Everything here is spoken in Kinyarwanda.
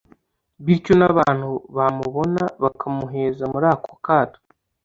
bityo n’abantu bamubona bakamuheza muri ka kato